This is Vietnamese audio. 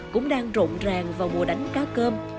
cũng đang rộn ràng vào mùa đánh cá cơm